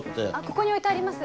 ここに置いてあります。